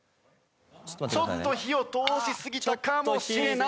ちょっと火を通しすぎたかもしれない。